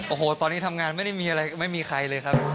โอ้โหตอนนี้ทำงานไม่ได้มีอะไรไม่มีใครเลยครับ